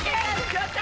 やった！